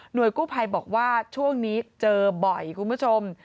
โดยกู้ภัยบอกว่าช่วงนี้เจอบ่อยคุณผู้ชม